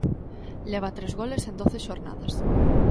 Leva tres goles en doce xornadas.